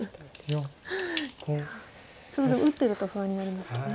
ちょっと打ってると不安になりますけどね。